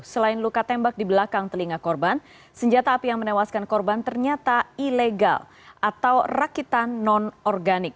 selain luka tembak di belakang telinga korban senjata api yang menewaskan korban ternyata ilegal atau rakitan non organik